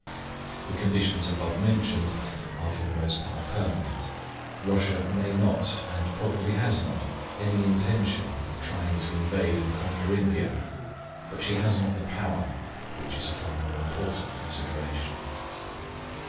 The conditions above mentioned are for the most part permanent. Russia may not, and probably has not, any intention of trying to invade and conquer India but she has not the power, which is a far more important consideration.